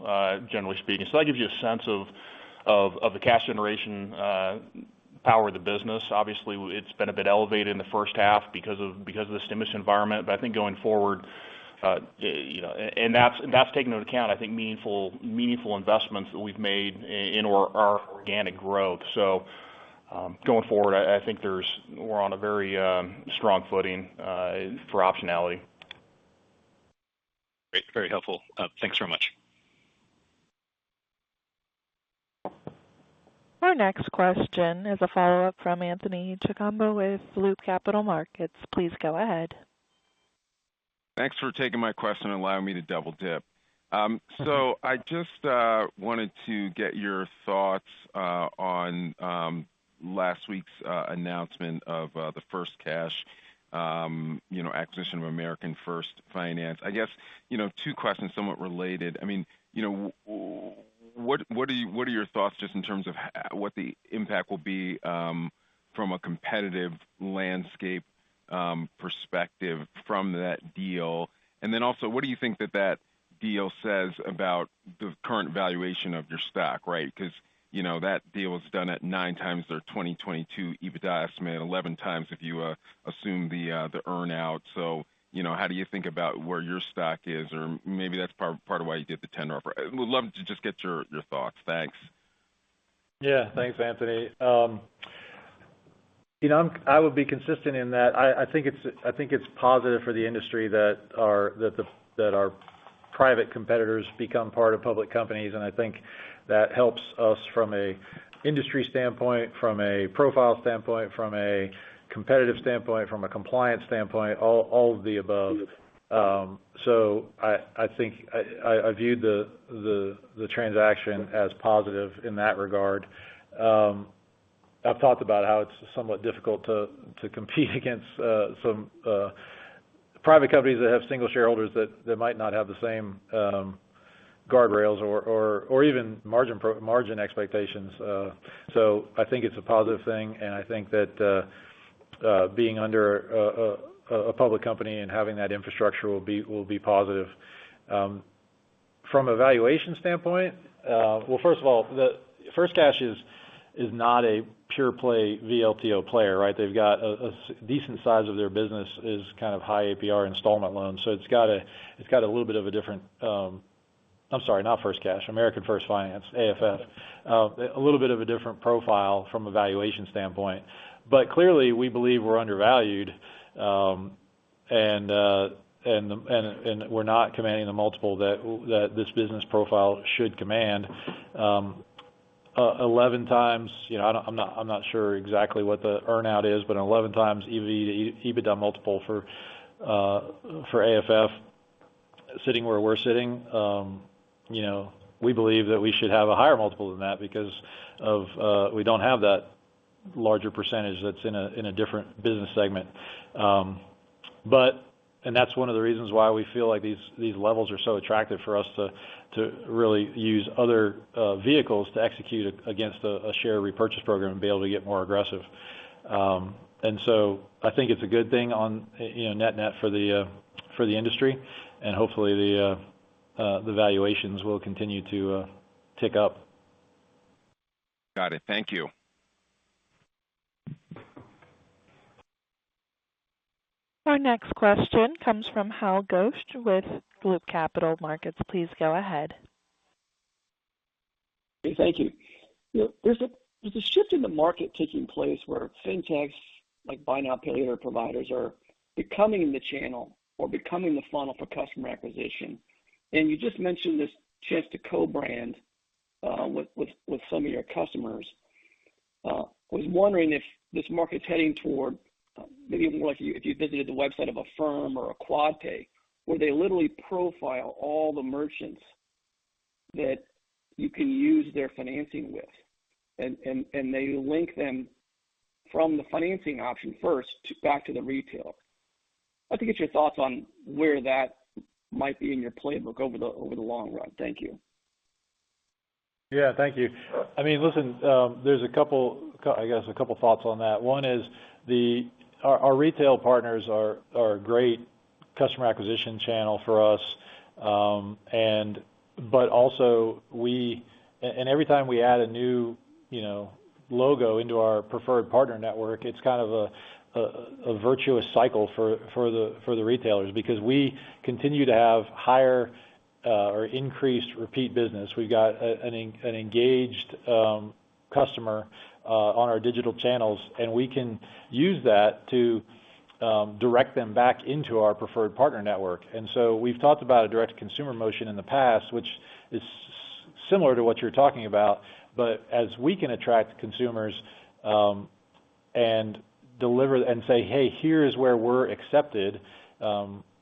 D: generally speaking. That gives you a sense of the cash generation power of the business. Obviously, it's been a bit elevated in the first half because of the stimulus environment. I think going forward, you know, that's taking into account, I think, meaningful investments that we've made in our organic growth. Going forward, I think we're on a very strong footing for optionality.
J: Great. Very helpful. Thanks very much.
A: Our next question is a follow-up from Anthony Chukumba with Loop Capital Markets. Please go ahead.
E: Thanks for taking my question and allowing me to double dip. So I just wanted to get your thoughts on last week's announcement of the FirstCash acquisition of American First Finance. I guess you know two questions somewhat related. I mean what are your thoughts just in terms of what the impact will be from a competitive landscape perspective from that deal? Then also, what do you think that that deal says about the current valuation of your stock, right? 'Cause you know, that deal was done at 9x their 2022 EBITDA estimate, 11x if you assume the earn-out. You know, how do you think about where your stock is? Or maybe that's part of why you did the tender offer. Would love to just get your thoughts. Thanks.
C: Yeah. Thanks, Anthony. I would be consistent in that I think it's positive for the industry that our private competitors become part of public companies, and I think that helps us from an industry standpoint, from a profile standpoint, from a competitive standpoint, from a compliance standpoint, all of the above. So I think I viewed the transaction as positive in that regard. I've talked about how it's somewhat difficult to compete against some private companies that have single shareholders that might not have the same guardrails or even margin expectations. So I think it's a positive thing, and I think that being under a public company and having that infrastructure will be positive. From a valuation standpoint, well, first of all, the FirstCash is not a pure play VLTO player, right? They've got a decent size of their business is kind of high APR installment loans, so it's got a little bit of a different profile from a valuation standpoint. Clearly, we believe we're undervalued, and we're not commanding the multiple that this business profile should command 11x, you know, I'm not sure exactly what the earn-out is, but 11x EV to EBITDA multiple for AFF sitting where we're sitting, you know, we believe that we should have a higher multiple than that because we don't have that larger percentage that's in a different business segment. And that's one of the reasons why we feel like these levels are so attractive for us to really use other vehicles to execute against a share repurchase program and be able to get more aggressive. I think it's a good thing, you know, net-net for the industry and hopefully the valuations will continue to tick up.
E: Got it. Thank you.
A: Our next question comes from Hal Goetsch with Loop Capital Markets. Please go ahead.
K: Thank you. There's a shift in the market taking place where fintechs, like buy now, pay later providers, are becoming the channel or becoming the funnel for customer acquisition. You just mentioned this chance to co-brand with some of your customers. Was wondering if this market's heading toward maybe more if you visited the website of Affirm or a QuadPay, where they literally profile all the merchants that you can use their financing with, and they link them from the financing option first back to the retail. Like to get your thoughts on where that might be in your playbook over the long run. Thank you.
C: Yeah, thank you. I mean, listen, there's a couple, I guess, a couple thoughts on that. One is our retail partners are a great customer acquisition channel for us, but also every time we add a new, you know, logo into our preferred partner network, it's kind of a virtuous cycle for the retailers because we continue to have higher or increased repeat business. We've got an engaged customer on our digital channels, and we can use that to direct them back into our preferred partner network. We've talked about a direct-to-consumer motion in the past, which is similar to what you're talking about. As we can attract consumers and deliver and say, "Hey, here is where we're accepted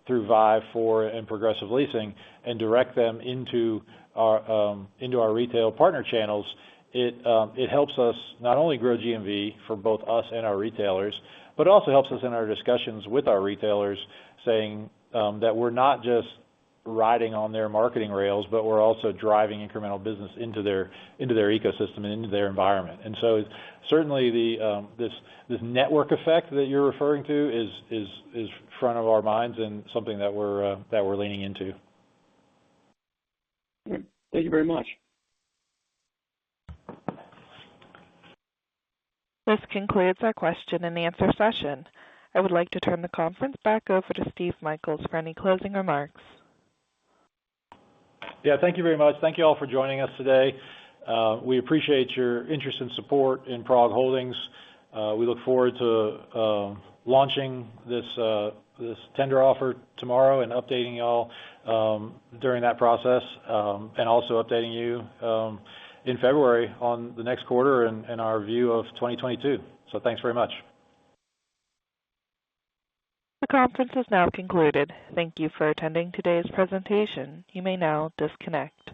C: through Vive, Four, and Progressive Leasing," and direct them into our retail partner channels, it helps us not only grow GMV for both us and our retailers, but also helps us in our discussions with our retailers saying that we're not just riding on their marketing rails, but we're also driving incremental business into their ecosystem and into their environment. Certainly this network effect that you're referring to is front of our minds and something that we're leaning into.
K: Thank you very much.
A: This concludes our question and answer session. I would like to turn the conference back over to Steve Michaels for any closing remarks.
C: Yeah. Thank you very much. Thank you all for joining us today. We appreciate your interest and support in PROG Holdings. We look forward to launching this tender offer tomorrow and updating y'all during that process and also updating you in February on the next quarter and our view of 2022. Thanks very much.
A: The conference is now concluded. Thank you for attending today's presentation. You may now disconnect.